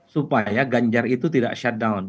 supaya ganjar itu tidak shutdown